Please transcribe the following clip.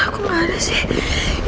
kok gak ada sih